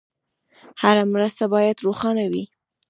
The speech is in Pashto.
هره مرسته باید روښانه وي.